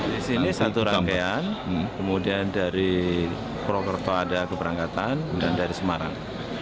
di sini satu rangkaian kemudian dari purwokerto ada keberangkatan kemudian dari semarang